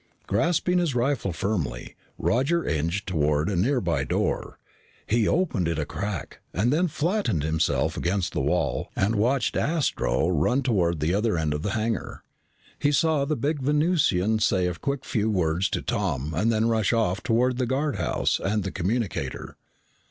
Grasping his rifle firmly, Roger inched toward a nearby door. He opened it a crack, then flattened himself against the wall and watched Astro run toward the other end of the hangar. He saw the big Venusian say a few quick words to Tom and then rush off toward the guardhouse and the communicator.